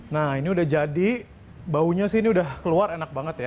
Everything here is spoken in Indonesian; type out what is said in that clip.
nah ini udah jadi baunya sih ini udah keluar enak banget ya